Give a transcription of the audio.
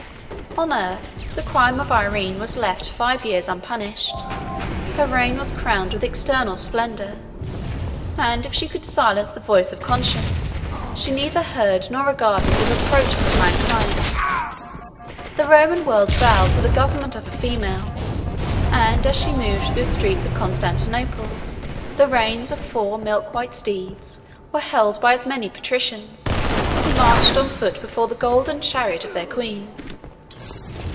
On earth, the crime of Irene was left five years unpunished; her reign was crowned with external splendor; and if she could silence the voice of conscience, she neither heard nor regarded the reproaches of mankind. The Roman world bowed to the government of a female; and as she moved through the streets of Constantinople, the reins of four milk white steeds were held by as many patricians, who marched on foot before the golden chariot of their queen.